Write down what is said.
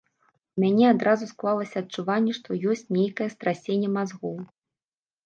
У мяне адразу склалася адчуванне, што ёсць нейкае страсенне мазгоў.